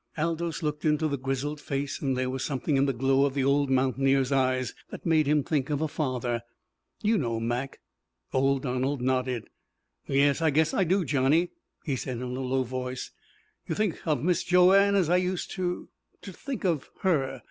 Aldous looked into the grizzled face, and there was something in the glow of the old mountaineer's eyes that made him think of a father. "You know, Mac." Old Donald nodded. "Yes, I guess I do, Johnny," he said in a low voice. "You think of Mis' Joanne as I used to to think of her.